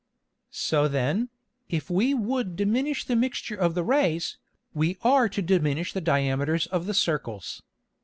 So then, if we would diminish the Mixture of the Rays, we are to diminish the Diameters of the Circles.